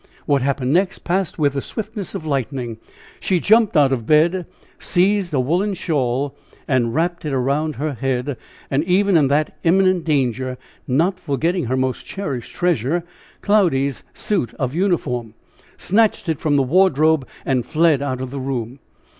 What happened next passed with the swiftness of lightning. She jumped out of bed, seized a woolen shawl, and wrapped it around her head, and even in that imminent danger not forgetting her most cherished treasure Cloudy's suit of uniform snatched it from the wardrobe and fled out of the room.